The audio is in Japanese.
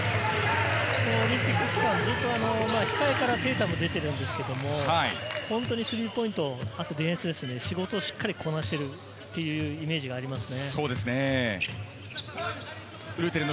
オリンピック期間、控えからテイタムが出てるんですけれども、スリーポイント、あとディフェンス、仕事をしっかりこなすというイメージがありますね。